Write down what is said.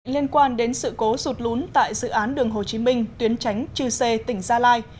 liên quan đến sự cố sụt lún tại dự án đường hồ chí minh tuyến tránh chư sê tỉnh gia lai